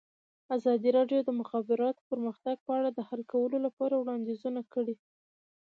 ازادي راډیو د د مخابراتو پرمختګ په اړه د حل کولو لپاره وړاندیزونه کړي.